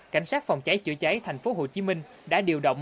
cảnh sát phòng cháy chữa cháy tp hcm đã điều động